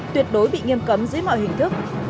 tuyệt đối bị nghiêm cấm dưới mọi hình thức